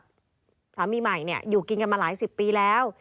สามีใหม่เนี่ยอยู่กินกันมาหลายสิบปีแล้ว